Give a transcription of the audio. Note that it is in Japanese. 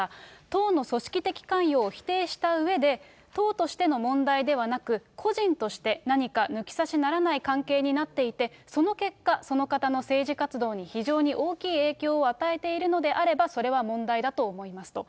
党の組織的関与を否定したうえで、党としての問題ではなく、個人として何か抜き差しならない関係になっていて、その結果、その方の政治活動に非常に大きい影響を与えているのであれば、それは問題だと思いますと。